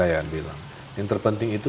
yang terpenting itu